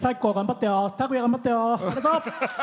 頑張ったよ。